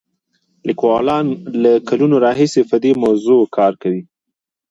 لیکوالان له کلونو راهیسې په دې موضوع کار کوي.